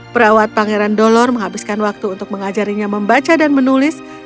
perawat pangeran dolor menghabiskan waktu untuk mengajarinya membaca dan menulis